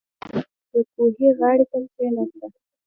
• د کوهي غاړې ته کښېنه.